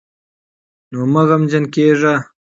نو مه غمجن کېږئ